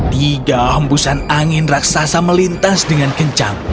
tiga hembusan angin raksasa melintas dengan kencang